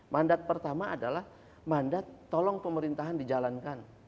mandat pertama adalah mandat tolong pemerintahan dijalankan